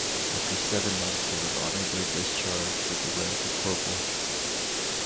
After seven months he was honorably discharged with the rank of corporal.